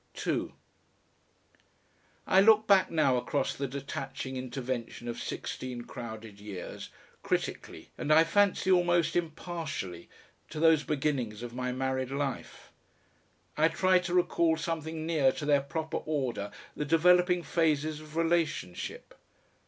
2 I look back now across the detaching intervention of sixteen crowded years, critically and I fancy almost impartially, to those beginnings of my married life. I try to recall something near to their proper order the developing phases of relationship.